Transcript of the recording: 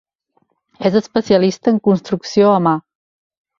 És especialista en construcció a mà.